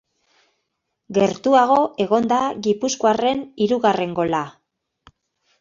Gertuago egon da gipuzkoarren hirugarren gola.